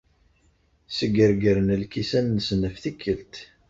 Sgergren lkisan-nsen ɣef tikkelt.